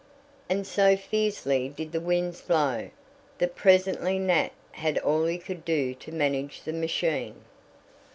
And so fiercely did the winds blow, that presently Nat had all he could do to manage the machine.